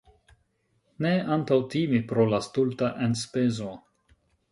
Ne antaŭtimi pro la stulta enspezo .